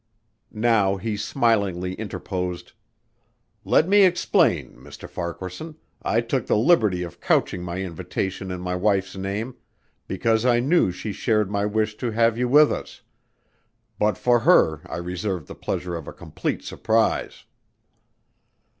Now he smilingly interposed, "Let me explain, Mr. Farquaharson, I took the liberty of couching my invitation in my wife's name because I knew she shared my wish to have you with us but for her I reserved the pleasure of a complete surprise."